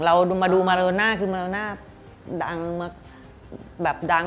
เรามาดูมาโรน่าเล่าหน้าดังมาก่อน